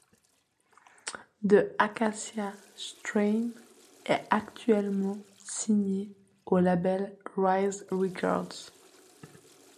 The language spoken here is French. The Acacia Strain est actuellement signé au label Rise Records.